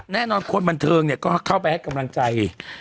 แน่นอนคนบันเติมก็เข้าทางกำลังใจ